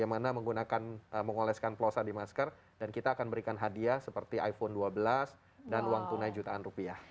bagaimana menggunakan mengoleskan plosa di masker dan kita akan berikan hadiah seperti iphone dua belas dan uang tunai jutaan rupiah